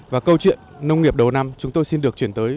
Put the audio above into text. và câu chuyện nông nghiệp đầu năm chúng tôi xin được chuyển tới